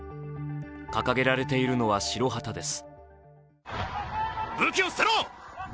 掲げられているのは白旗です。